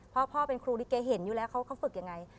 เพราะว่าพ่อเป็นครูลิเกย์เห็นอยู่แล้วเขาเขาฝึกยังไง